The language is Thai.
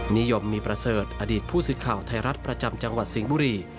นิยมมีประเสริฐอดีตผู้สื่อข่าวไทยรัฐประจำจังหวัดสิงห์บุรี